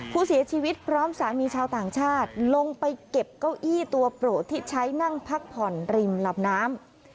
ผู้เสียชีวิตพร้อมสามีชาวต่างชาติลงไปเก็บเก้าอี้ตัวโปรดที่ใช้นั่งพักผ่อนริมลำน้ำ